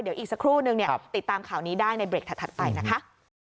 เดี๋ยวอีกสักครู่นึงติดตามข่าวนี้ได้ในเบรกถัดไปนะคะ